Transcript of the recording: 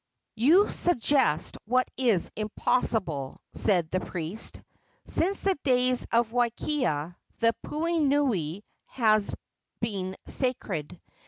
"You suggest what is impossible," said the priest. "Since the days of Wakea the puhonui has been sacred.